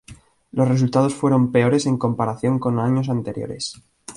Los resultados fueron peores en comparación con años anteriores.